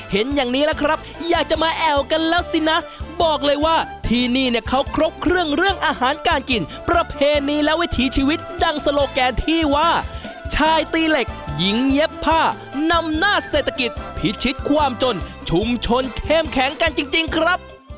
เห็นอย่างนี้แล้วครับอยากจะมาแอวกันแล้วสินะบอกเลยว่าที่นี่เนี่ยเขาครบเครื่องเรื่องอาหารการกินประเพณีและวิถีชีวิตดังสโลแกนที่ว่าชายตีเหล็กหญิงเย็บผ้านำหน้าเศรษฐกิจพิชิตความจนชุมชนเข้มแข็งกันจริงครับ